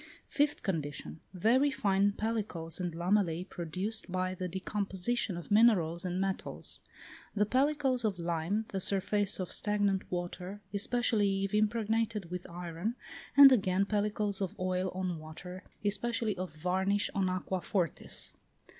Fifth condition. Very fine pellicles and lamellæ, produced by the decomposition of minerals and metals. The pellicles of lime, the surface of stagnant water, especially if impregnated with iron, and again pellicles of oil on water, especially of varnish on aqua fortis.